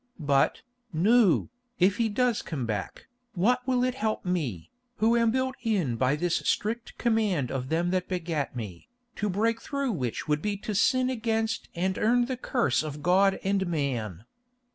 "But, Nou, if he does come back, what will it help me, who am built in by this strict command of them that begat me, to break through which would be to sin against and earn the curse of God and man?"